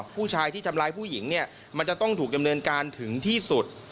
ผู้ชายที่ทำร้ายผู้หญิงเนี่ยมันจะต้องถูกดำเนินการถึงที่สุด